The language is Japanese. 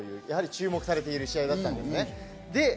やはり注目されている試合だったんです。